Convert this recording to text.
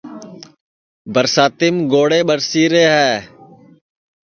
برساتِیم گوڑھے ٻرسی رے ہے